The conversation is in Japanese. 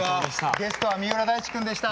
ゲストは三浦大知君でした。